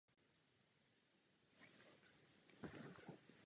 Proti rozsudku se odvolal a odvolací soud jej obvinění zprostil.